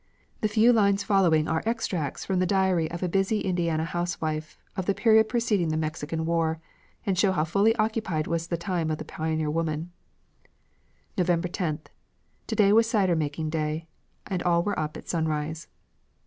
The few lines following are extracts from the diary of a busy Indiana housewife of the period preceding the Mexican War, and show how fully occupied was the time of the pioneer woman: "November 10th. To day was cider making day, and all were up at sunrise."